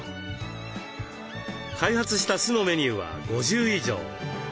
開発した酢のメニューは５０以上。